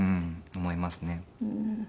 思いますね。